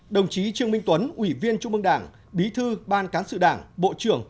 ba đồng chí trương minh tuấn ủy viên trung ương đảng bí thư ban cán sự đảng bộ trưởng